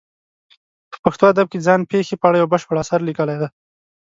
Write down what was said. په پښتو ادب کې ځان پېښې په اړه یو بشپړ اثر لیکلی دی.